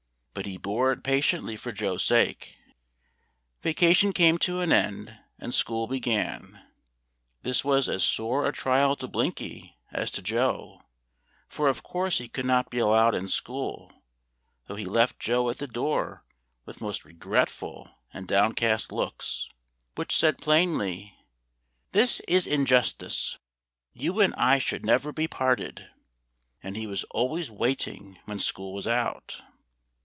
But he bore it patiently for Joe's sake. Vacation came to an end, and school began. This was as sore a trial to Blinky as to Joe, for of course he could not be allowed in school, though he left Joe at the door with most regretful and downcast looks, which said plainly, "This is injustice; you and I should never be parted," and he was always waiting when school was out.